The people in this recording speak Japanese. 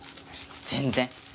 全然。